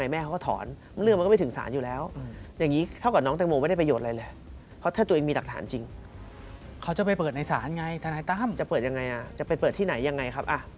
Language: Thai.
ไม่มีทางเลย